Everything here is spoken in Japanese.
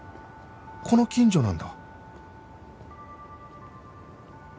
この近所なんだ